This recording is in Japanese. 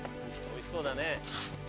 おいしそうだね。